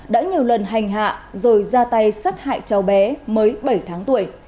đã nhiều lần hành hạ rồi ra tay sát hại cháu bé mới bảy tháng tuổi